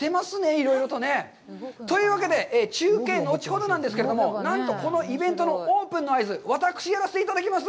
いろいろとね。というわけで、中継、後ほどなんですけれども、何とこのイベントのオープンの合図、私がやらせていただきます。